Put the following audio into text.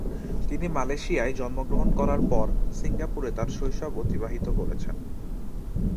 তিনি মালয়েশিয়ায় জন্মগ্রহণ করার পর, সিঙ্গাপুরে তার শৈশব অতিবাহিত করেছেন।